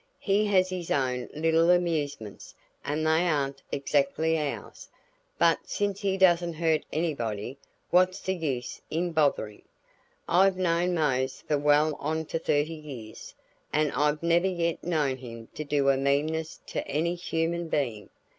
He has his own little amusements and they aren't exactly ours, but since he doesn't hurt anybody what's the use in bothering? I've known Mose for well on to thirty years, and I've never yet known him to do a meanness to any human being.